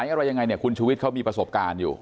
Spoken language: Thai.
อะไรยังไงเนี่ยคุณชุวิตเขามีประสบการณ์อยู่